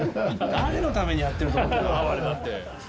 誰のためにやってると思ってるんだよ！